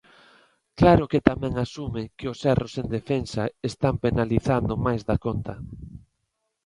Claro que tamén asume que os erros en defensa están penalizando máis da conta.